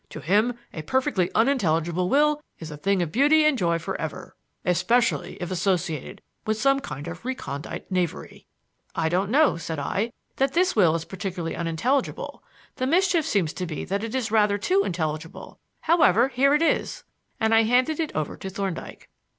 To him, a perfectly unintelligible will is a thing of beauty and a joy for ever; especially if associated with some kind of recondite knavery." "I don't know," said I, "that this will is particularly unintelligible. The mischief seems to be that it is rather too intelligible. However, here it is," and I handed it over to Thorndyke.